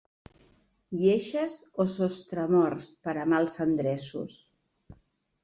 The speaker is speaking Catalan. Lleixes o sostremorts per a mals endreços.